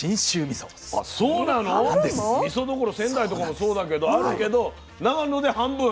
みそどころ仙台とかもそうだけどあるけど長野で半分日本の。